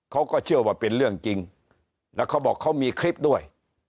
เขาก็เชื่อว่าเป็นเรื่องจริงแล้วเขาบอกเขามีคลิปด้วย